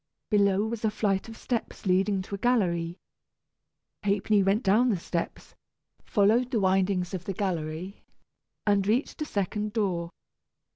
Below was a flight of steps, leading to a gallery. Ha'penny went down the steps, followed the windings of the gallery, and reached a second door.